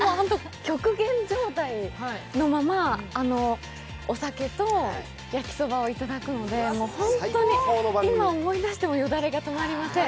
極限状態のままお酒とやきそばをいただくので、本当に今、思い出してもよだれが止まりません。